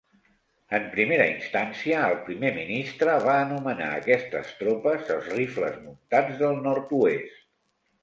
En primera instància, el primer ministre va anomenar aquestes tropes els "Rifles Muntats del Nord-oest".